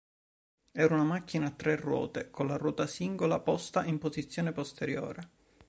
Era una macchina a tre ruote, con la ruota singola posta in posizione posteriore.